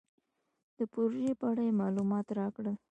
د پروژې په اړه یې مالومات راکړل.